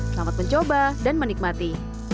selamat mencoba dan menikmati